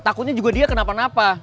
takutnya juga dia kenapa napa